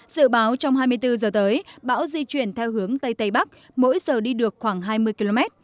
dự báo trong hai mươi bốn giờ tới bão di chuyển theo hướng tây tây bắc mỗi giờ đi được khoảng hai mươi km